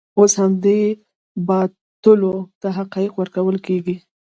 اوس همدې باطلو ته حقانیت ورکول کېږي.